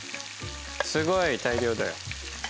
すごい大量だよ。